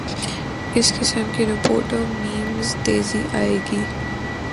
اس قسم کی رپورٹوں میںمزید تیزی آئے گی۔